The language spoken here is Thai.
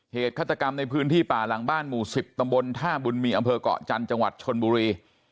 ฆาตกรรมในพื้นที่ป่าหลังบ้านหมู่๑๐ตำบลท่าบุญมีอำเภอกเกาะจันทร์จังหวัดชนบุรี